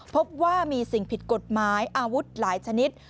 พบว่ามีสิ่งผิดกฎหมายอาวุธหลายชนิด